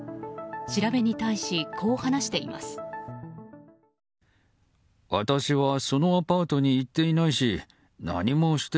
調べに対しこう話しています。